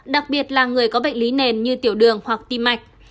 đặc biệt là người có bệnh lý nền như tiểu đường hoặc tim mạch